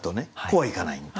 こうはいかない。